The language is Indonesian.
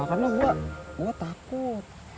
karena gue takut